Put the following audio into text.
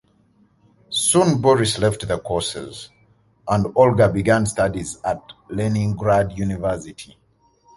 Soon Boris left the courses, and Olga began studies at the Leningrad University.